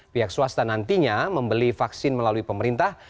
pihak swasta nantinya membeli vaksin melalui pemerintah